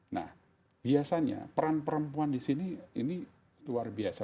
nah biasanya peran perempuan di sini ini luar biasa